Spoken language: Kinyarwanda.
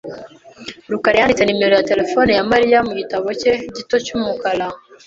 rukara yanditse nimero ya terefone ya Mariya mu gitabo cye gito cy'umukara .